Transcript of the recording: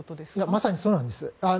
まさにそうなんです。